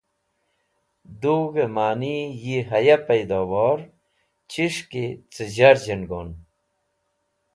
Dug̃hẽ mani yi haya peydowor chish ki cẽ zharz̃hn gon.